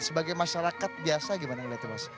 sebagai masyarakat biasa gimana ngeliatnya mas